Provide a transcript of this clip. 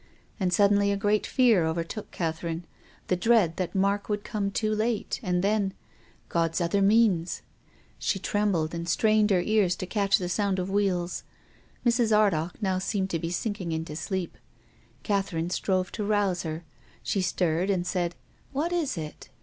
And suddenly a great fear overtook Catherine, the dread that Mark would come too late, and then — God's other means ! She trembled, and strained her ears to catch the sound of wheels. Mrs. Ardagh now seemed to be sinking into sleep — Catherine strove to rouse her. She stirred and said, " What is it